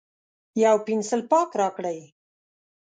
یو پینسیلپاک راکړئ